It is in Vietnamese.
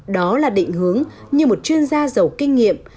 đó là định hướng như một chuyên gia giàu kinh nghiệm